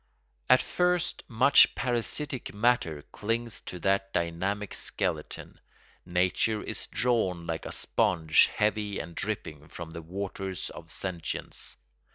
At first much parasitic matter clings to that dynamic skeleton. Nature is drawn like a sponge heavy and dripping from the waters of sentience.